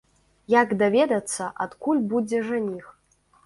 Як даведацца, адкуль будзе жаніх?